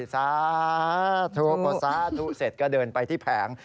สาธุพอสาธุเสร็จก็เดินไปที่แผง